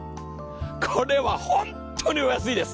これは本当にお安いです。